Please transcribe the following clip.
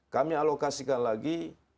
kami alokasikan lagi